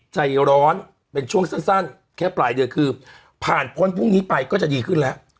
ใจร้อนเป็นช่วงสั้นแค่ปลายเดือนคือผ่านพ้นพรุ่งนี้ไปก็จะดีขึ้นแล้ว